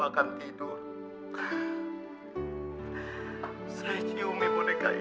dateng tes menunggu